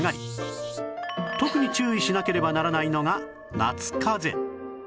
特に注意しなければならないのが夏かぜ